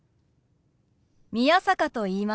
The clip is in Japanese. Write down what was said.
宮坂と言います。